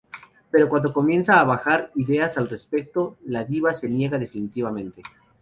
Pero cuando comienza a barajar ideas al respecto, la diva se niega definitivamente.